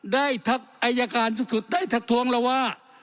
ได้ทักยาการสูงสุดแล้วว่า